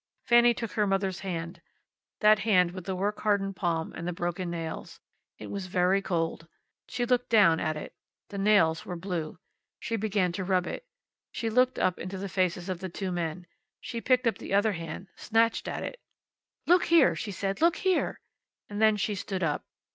Fanny took her mother's hand, that hand with the work hardened palm and the broken nails. It was very cold. She looked down at it. The nails were blue. She began to rub it. She looked up into the faces of the two men. She picked up the other hand snatched at it. "Look here!" she said. "Look here!" And then she stood up.